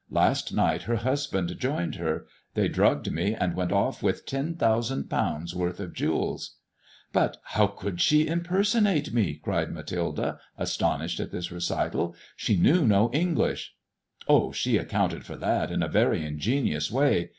Last night her husband joined her. They drugged me and went off with ten thousand pounds* worth of jewels." ^' But how could she impersonate me f '' cried Mathilde^ astonished at this recital. " She knew no English.'' '^ Oh 1 she accounted for that in a very ingenious way.